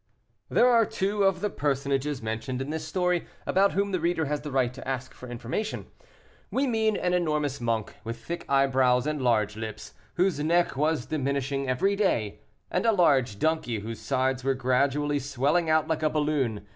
There are two of the personages mentioned in this story, about whom the reader has the right to ask for information. We mean an enormous monk, with thick eyebrows and large lips, whose neck was diminishing every day; and a large donkey whose sides were gradually swelling out like a balloon.